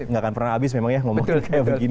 nggak akan pernah habis memang ya ngomongin kayak begini